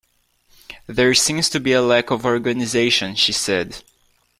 There seems to be a lack of organisation, she said